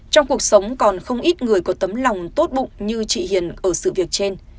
trong cuộc sống còn không ít người có tấm lòng tốt bụng như chị hiền ở sự việc trên